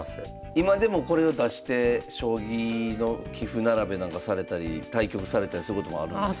今でもこれを出して将棋の棋譜並べなんかされたり対局されたりすることもあるんですか？